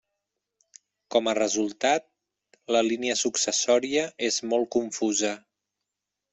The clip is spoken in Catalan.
Com a resultat, la línia successòria és molt confusa.